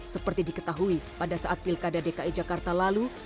seperti diketahui pada saat pilkada dki jakarta lalu